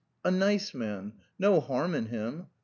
(al) mice man, no harm in him.